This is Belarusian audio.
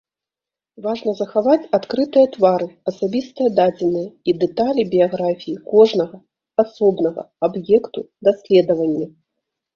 Важна захаваць адкрытыя твары, асабістыя дадзеныя і дэталі біяграфіі кожнага асобнага аб'екту даследавання.